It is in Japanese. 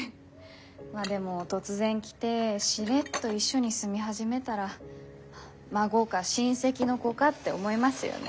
まあでも突然来てしれっと一緒に住み始めたら孫か親戚の子かって思いますよね。